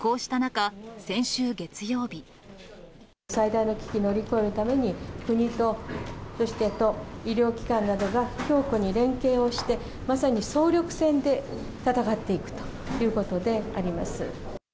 最大の危機乗り越えるために、国とそして都、医療機関などが強固に連携をして、まさに総力戦で戦っていくということであります。